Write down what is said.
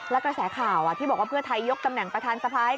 และกระแสข่าวที่บอกว่าเพื่อไทยยกตำแหน่งประธานสภาย